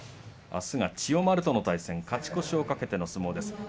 あすは千代丸との対戦勝ち越しを懸けての相撲です。